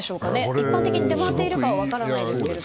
一般的に出回っているか分からないですけれども。